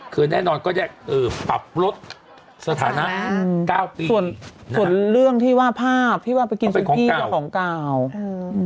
คือแน่นอนก็จะเออปรับรถสถานะ๙ปีส่วนส่วนเรื่องที่ว่าภาพที่ว่าไปกินซูกกี้ก็ของกล่าวอืม